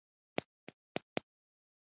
هغه د منګلي انګړ ته ننوت.